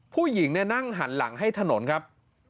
ผู้หญิงนั่งหันหลังให้ถนนครับ